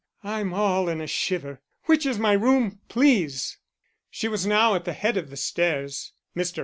I'm all in a shiver. Which is my room, please?" She was now at the head of the stairs. Mr.